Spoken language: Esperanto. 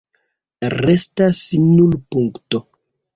Restas nur punkto.